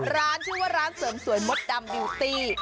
ร้านชื่อว่าร้านเสริมสวยมดดำบิวตี้